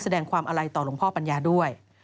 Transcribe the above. แสดงความอาลัยต่อหลวงพ่อปัญญาด้วย